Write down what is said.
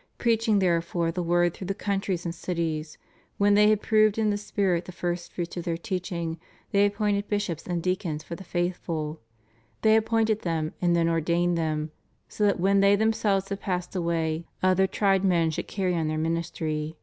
... Preaching there fore the word through the countries and cities, when they had proved in the Spirit the first fruits of their teaching they appointed bishops and deacons for the faithful. ... They appointed them and then ordained them, so that when they themselves had passed away other tried men should carry on their ministry."